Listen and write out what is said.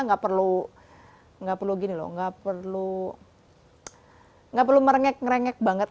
nggak perlu nggak perlu gini loh nggak perlu merengek rengek banget